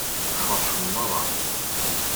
Tfeṛḥem meṛṛa.